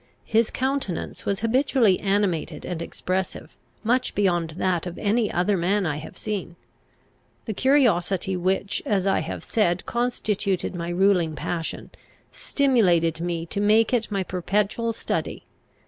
His countenance was habitually animated and expressive, much beyond that of any other man I have seen. The curiosity which, as I have said, constituted my ruling passion, stimulated me to make it my perpetual study.